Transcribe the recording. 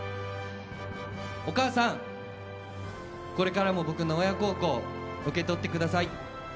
お母さん、これからも僕の親孝行受け取ってください。